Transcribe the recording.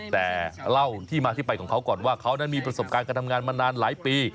แต่เล่าที่มาที่ไปของเขาก่อนว่าเขานั้นมีประสบการณ์การทำงานมานานหลายปี